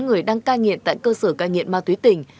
và chín mươi ba người đang ca nghiện tại cơ sở ca nghiện ma túy tỉnh